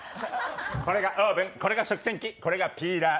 これが食洗機、これがピーラー。